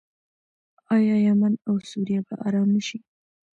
آیا یمن او سوریه به ارام نشي؟